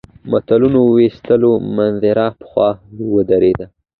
د ملتونو وېستلو نظریه پخوا ردېده.